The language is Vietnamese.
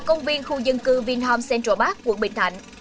công viên khu dân cư vinhom central park quận bình thạnh